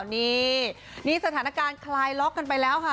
นี่นี่สถานการณ์คลายล็อกกันไปแล้วค่ะ